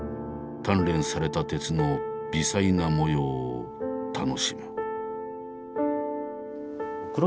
鍛錬された鉄の微細な模様を楽しむ。